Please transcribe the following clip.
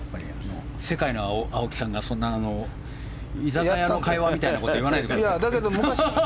世界の青木さんが居酒屋の会話みたいなことを言わないでください。